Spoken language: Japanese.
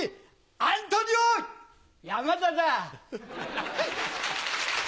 アントニオ山田だ！